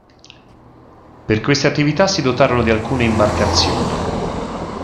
Per queste attività si dotarono di alcune imbarcazioni.